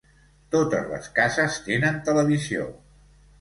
Totes les cases tenen televisió.